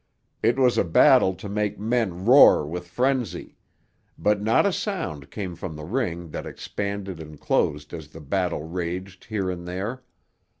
It was a battle to make men roar with frenzy; but not a sound came from the ring that expanded and closed as the battle raged here and there.